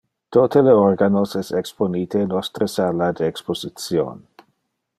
Tote le organos es exponite in nostre sala de exposition.